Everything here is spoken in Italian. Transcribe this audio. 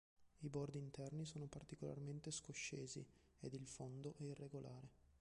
I bordi interni sono particolarmente scoscesi ed il fondo è irregolare.